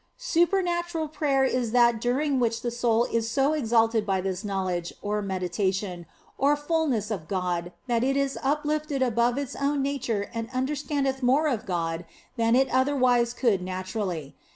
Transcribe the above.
Supernatural prayer is that during which the soul is so exalted by this knowledge, or meditation, or fulness of God that it is uplifted above its own nature and under standeth more of God than it otherwise could naturally.